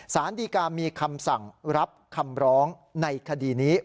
สารดีกามีคำสั่งรับคำร้องในคดีนี้